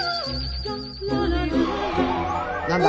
何だ？